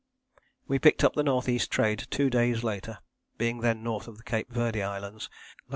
We picked up the N.E. Trade two days later, being then north of the Cape Verde Islands (lat.